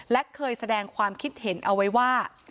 และเคยแสดงความคิดเห็นเอาไว้ว่า